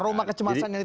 aroma kecemasan yang tadi